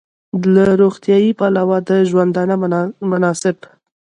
له روغتیايي پلوه د ژوندانه مناسب